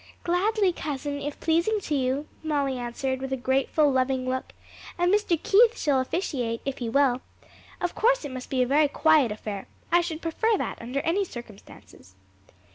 "Gladly, cousin, if pleasing to you," Molly answered with a grateful, loving look. "And Mr. Keith shall officiate, if he will. Of course it must be a very quiet affair; I should prefer that under any circumstances."